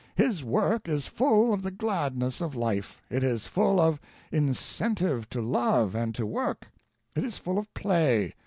His work is full of the gladness of life, it is full of incentive to love and to work, it is full of play.